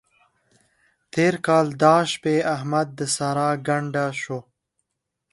تېر کال دا شپې احمد د سارا ګنډه شو.